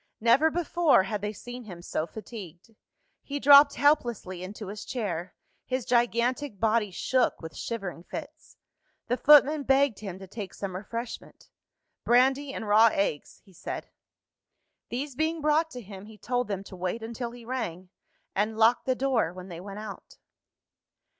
Never before had they seen him so fatigued. He dropped helplessly into his chair; his gigantic body shook with shivering fits. The footman begged him to take some refreshment. "Brandy, and raw eggs," he said. These being brought to him, he told them to wait until he rang and locked the door when they went out.